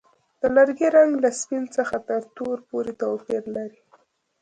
د لرګي رنګ له سپین څخه تر تور پورې توپیر لري.